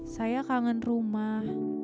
saya kangen rumah